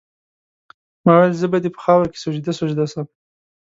ما ویل زه به دي په خاوره کي سجده سجده سم